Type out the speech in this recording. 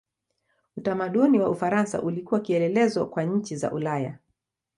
Utamaduni wa Ufaransa ulikuwa kielelezo kwa nchi za Ulaya.